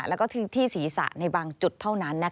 แล้วก็ที่ศีรษะในบางจุดเท่านั้น